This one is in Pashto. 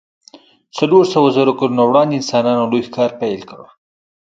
څلور سوو زرو کلونو وړاندې انسانانو لوی ښکار پیل کړ.